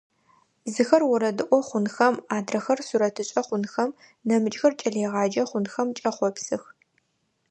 Зыхэр орэдыӀо хъунхэм, адрэхэр сурэтышӀэ хъунхэм, нэмыкӀхэр кӀэлэегъаджэ хъунхэм кӀэхъопсых.